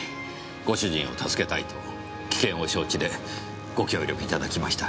ご主人を助けたいと危険を承知でご協力いただきました。